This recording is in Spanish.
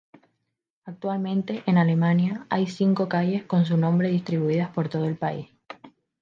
Actualmente, en Alemania, hay cinco calles con su nombre distribuidas por todo el país.